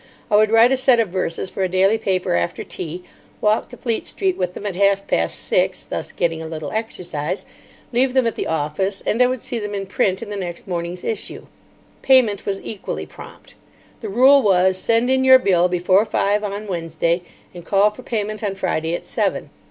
I would write a set of verses for a daily paper after tea, walk to Fleet Street with them at half past six, thus getting a little exercise; leave them at the office; and I would see them in print in the next morning's issue. Payment was equally prompt. The rule was, Send in your bill before five on Wednesday, and call for payment on Friday at seven.